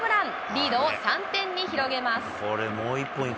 リードを３点に広げます。